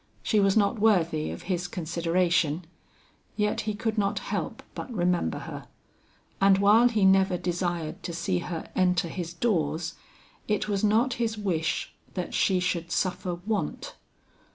She was not worthy of his consideration, yet he could not help but remember her, and while he never desired to see her enter his doors, it was not his wish that she should suffer want.